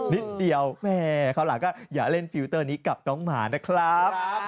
นิดเดียวแม่คราวหลังก็อย่าเล่นฟิลเตอร์นี้กับน้องหมานะครับ